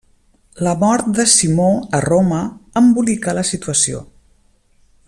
La mort de Simó a Roma embolicà la situació.